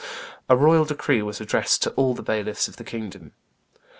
A royal decree was addressed to all the bailiffs of the kingdom.